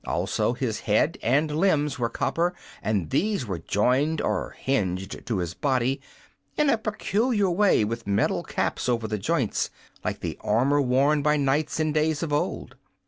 Also his head and limbs were copper, and these were jointed or hinged to his body in a peculiar way, with metal caps over the joints, like the armor worn by knights in days of old.